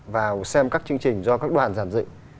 và xem các chương trình do các đoàn giảm dị